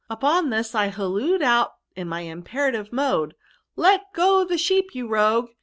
Upon this I hal loed out in my imperative mode, ^ Let go the sheep, you rogue